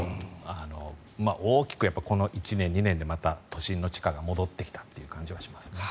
大きくこの１年、２年でまた都心の地価が戻ってきたという感じはしますね。